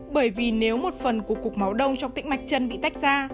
bởi vì nếu một phần của cục máu đông trong tĩnh mạch chân bị tách ra